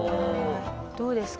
どうですか？